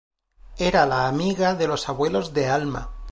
Era la amiga de los abuelos de Alma.